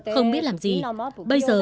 không biết làm gì bây giờ